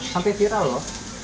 sampai viral loh